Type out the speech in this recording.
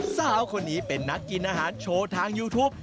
สาวคนนี้เป็นนักกินอาหารโชว์ทางยูทูป